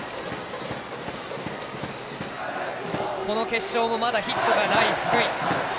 この決勝もまだヒットがない福井。